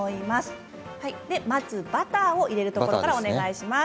まずバターを入れるところからお願いします。